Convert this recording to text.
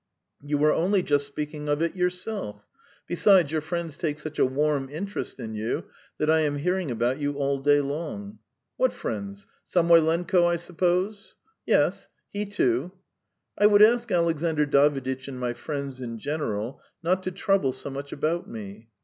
"You were only just speaking of it yourself. Besides, your friends take such a warm interest in you, that I am hearing about you all day long." "What friends? Samoylenko, I suppose?" "Yes, he too." "I would ask Alexandr Daviditch and my friends in general not to trouble so much about me."